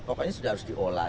pokoknya sudah harus diolah